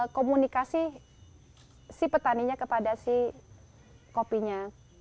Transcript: komunikasi si petaninya kepada si kopinya